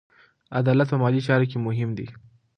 عدالت په مالي چارو کې مهم دی.